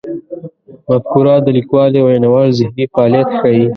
مفکوره د لیکوال یا ویناوال ذهني فعالیت ښيي.